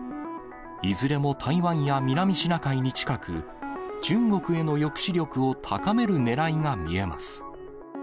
いずれも台湾や南シナ海に近く、中国への抑止力を高めるねらいが見えます。